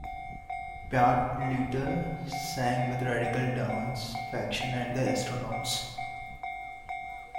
Byatt later sang with Radical Dance Faction and The Astronauts.